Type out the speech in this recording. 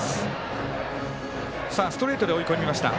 ストレートで追い込みました。